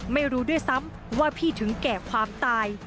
ไม่รู้ด้วยซ้ำว่าพี่ถึงแก่ความตาย